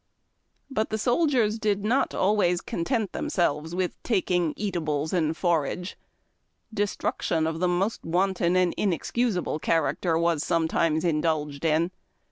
But the soldiers did not always content themselves with taking eatables and forage. Destruction of the most wanton and inexcusable character was sometimes indulged in.